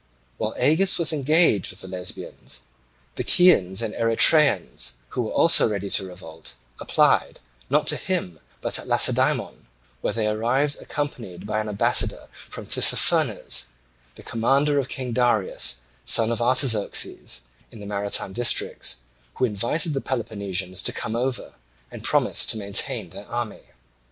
While Agis was engaged with the Lesbians, the Chians and Erythraeans, who were also ready to revolt, applied, not to him but at Lacedaemon; where they arrived accompanied by an ambassador from Tissaphernes, the commander of King Darius, son of Artaxerxes, in the maritime districts, who invited the Peloponnesians to come over, and promised to maintain their army.